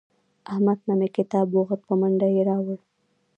احمد نه مې کتاب وغوښت په منډه کې یې راوړ.